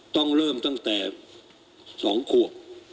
ต้องเริ่มตั้งแต่๒ขวบ